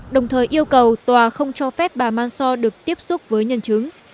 đồng thời yêu cầu tòa không cho phép bà mansor được tiếp xúc với nhân chứng